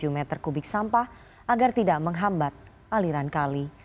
satu ratus tujuh puluh tujuh meter kubik sampah agar tidak menghambat aliran kali